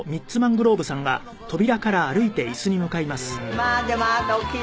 まあでもあなたお奇麗。